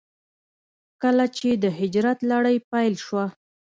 کله چې د هجرت لړۍ پيل شوه.